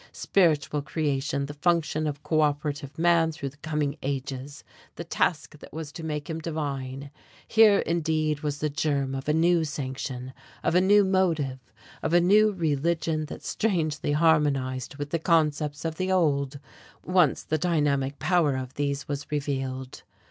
Spiritual creation the function of cooperative man through the coming ages, the task that was to make him divine. Here indeed was the germ of a new sanction, of a new motive, of a new religion that strangely harmonized with the concepts of the old once the dynamic power of these was revealed.